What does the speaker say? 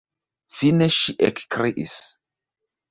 Fine ŝi ekkriis: